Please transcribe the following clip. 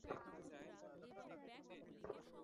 উনি এমনিই ঢুকে পড়েছেন।